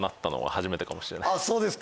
そうですか。